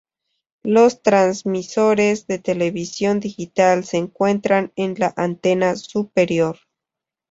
Los transmisores de televisión digital se encuentran en la antena superior.